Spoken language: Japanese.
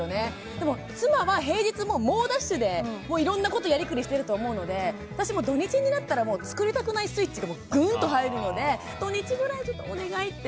でも妻は平日も猛ダッシュでいろんなことやりくりしていると思うので私も土日になったら作りたくないスイッチがぐーんと入るので土日ぐらいちょっとお願いって。